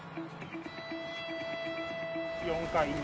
４階に。